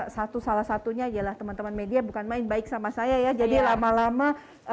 satu salah satunya adalah teman teman media bukan main baik sama saya ya jadi lama lama